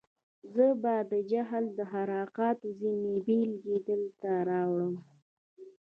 زه به د جهل و خرافاتو ځینې بېلګې دلته راوړم.